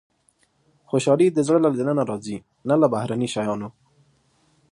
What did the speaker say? • خوشالي د زړه له دننه راځي، نه له بهرني شیانو.